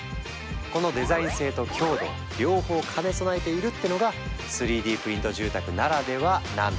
このデザイン性と強度両方兼ね備えているってのが３Ｄプリント住宅ならではなんだとか。